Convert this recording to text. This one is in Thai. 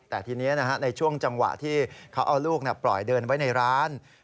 แต่ทีนี้ในช่วงจังหวะที่เขาเอาลูกปล่อยเดินไว้ในร้าน